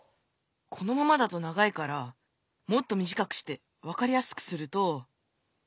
このままだと長いからもっとみじかくして分かりやすくすると。